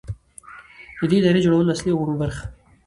، د دې ادارې د جوړولو اصلي او عمومي موخه.